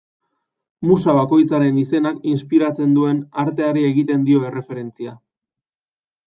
Musa bakoitzaren izenak inspiratzen duen arteari egiten dio erreferentzia.